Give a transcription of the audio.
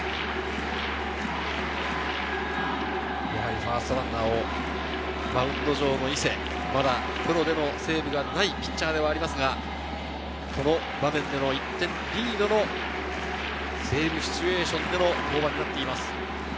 ファーストランナーをマウンド上の伊勢、まだプロでのセーブがないピッチャーではありますが、この場面での１点リードのセーブシチュエーションでの登板になっています。